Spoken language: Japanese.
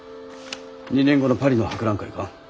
２年後のパリの博覧会か。